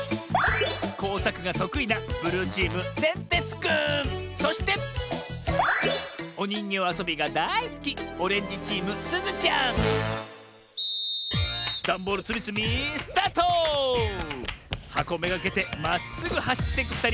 こうさくがとくいなそしておにんぎょうあそびがだいすきダンボールつみつみスタート！はこめがけてまっすぐはしっていくふたり